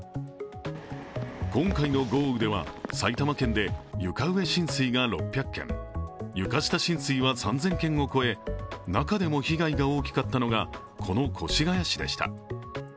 今回の豪雨では、埼玉県で床上浸水が６００軒、床下浸水は３０００件を超え中でも被害が大きかったのがこの越谷市でした。